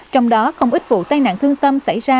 trong đó không ít vụ tai nạn thương tâm xảy ra